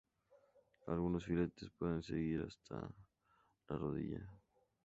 Algunos filetes pueden seguir hasta la rodilla.